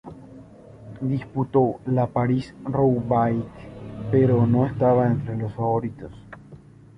Disputó la París-Roubaix, pero no estaba entre los favoritos.